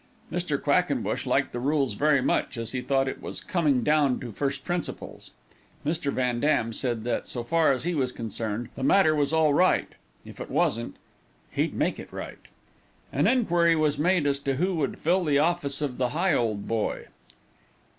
Mr. Quackenbush liked the rules very much, as he thought it was coming down to first principles. Mr. Van Dam said that, so far as he was concerned, the matter was all right; if it wasn't, "he'd make it right." An inquiry was made as to who would fill the office of the Higholdboy.